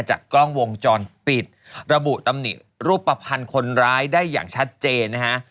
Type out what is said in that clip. จากกล้องวงจรปิดระบุตำหนิรูปภัณฑ์คนร้ายได้อย่างชัดเจนนะฮะ